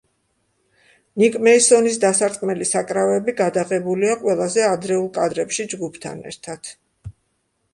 ნიკ მეისონის დასარტყმელი საკრავები გადაღებულია ყველაზე ადრეულ კადრებში ჯგუფთან ერთად.